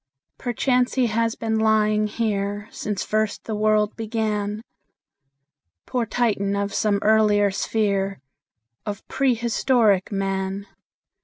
Perchance he has been lying here Since first the world began, Poor Titan of some earlier sphere Of prehistoric Man!